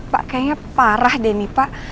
pak kayaknya parah deh nih pak